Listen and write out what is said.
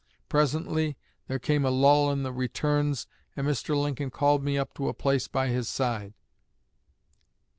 Presently there came a lull in the returns, and Mr. Lincoln called me up to a place by his side.